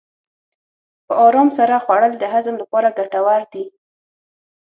په ارام سره خوړل د هضم لپاره ګټور دي.